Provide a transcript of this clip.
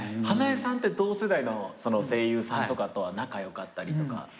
花江さんって同世代の声優さんとかとは仲良かったりとか。